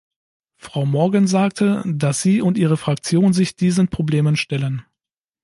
Frau Morgan sagte, dass sie und ihre Fraktion sich diesen Problemen stellen.